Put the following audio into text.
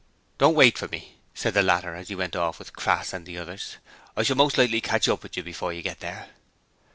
'Don't wait for me,' said the latter as he went off with Crass and the others. 'I shall most likely catch you up before you get there.'